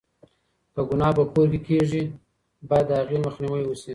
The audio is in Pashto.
که گناه په کور کې کېږي، بايد د هغې مخنيوی وشي.